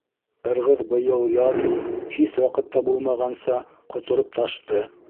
Ырғыҙ быйыл яҙ, һис ваҡытта булмағанса, ҡотороп ташты.